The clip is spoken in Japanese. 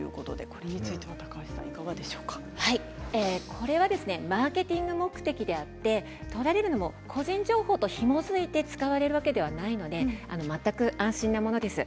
これはマーケティング目的であって個人情報とひも付いて使われるわけではないので全く安心なものです。